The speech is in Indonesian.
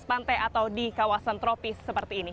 di pantai atau di kawasan tropis seperti ini